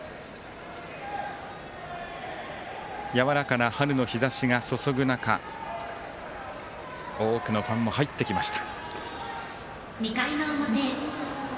やわらかな春の日ざしがそそぐ中多くのファンも入ってきました。